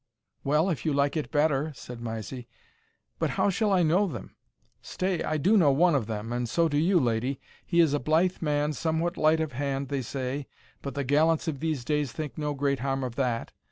"Well, if you like it better," said Mysie "but how shall I know them? Stay, I do know one of them, and so do you, lady; he is a blithe man, somewhat light of hand, they say, but the gallants of these days think no great harm of that.